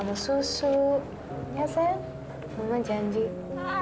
komitmen sama pak fadil